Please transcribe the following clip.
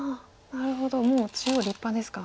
なるほどもう中央立派ですか。